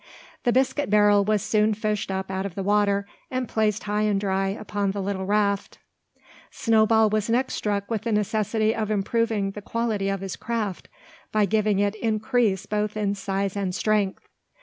The biscuit barrel was soon fished up out of the water, and placed high and dry upon the little raft. Snowball was next struck with the necessity of improving the quality of his craft, by giving it increase both in size and strength.